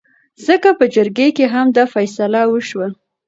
ځکه په جرګه کې هم دا فيصله وشوه